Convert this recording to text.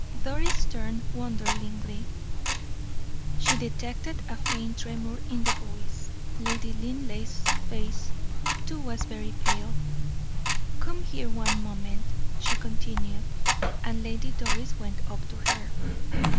Doris turned, wonderingly. She detected a faint tremor in the voice; Lady Linleigh's face, too, was very pale. "Come here one moment," she continued, and Lady Doris went up to her.